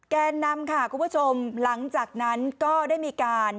แกนนำค่ะคุณผู้ชมหลังจากนั้นก็ได้มีการ